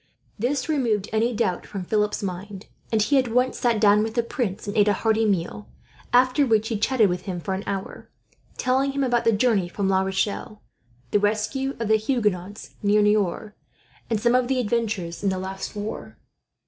This removed any doubt from Philip's mind, and he at once sat down with the prince and ate a hearty meal; after which he chatted with him for an hour, telling him about the journey from La Rochelle, the rescue of the Huguenots near Niort, and some of the adventures in the last war.